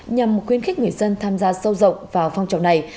nhằm khuyến khích người dân tham gia sâu rộng vào phong trào này